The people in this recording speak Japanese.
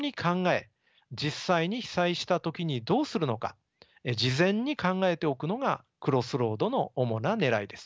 実際に被災した時にどうするのか事前に考えておくのが「クロスロード」の主なねらいです。